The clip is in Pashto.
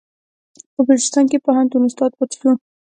په بلوچستان پوهنتون کې استاد پاتې شو.